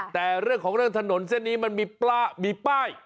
แต่เรื่องของเรื่องถนนเส้นนี้มันมีป้าย